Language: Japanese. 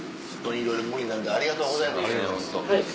いろいろ無理難題ありがとうございます。